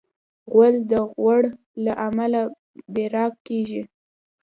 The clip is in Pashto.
غول د غوړ له امله براق کېږي.